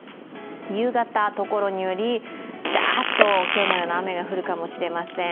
夕方、所によるダーッと今日のような雨が降るかもしれません。